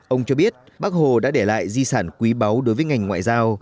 ông cho biết bác hồ đã để lại di sản quý báu đối với ngành ngoại giao